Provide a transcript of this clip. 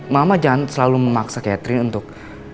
mama jangan selalu memaksa catherine untuk